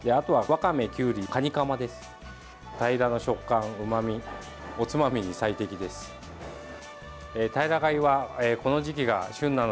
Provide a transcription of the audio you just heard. タイラガイの食感うまみ、おつまみに最適です。